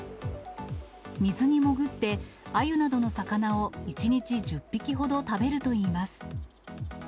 水に潜って、アユなどの魚を１日１０匹ほど食べるといいます。